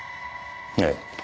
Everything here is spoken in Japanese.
ええ。